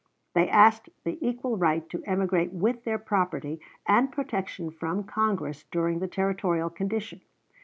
They asked the equal right to emigrate with their property, and protection from Congress during the Territorial condition.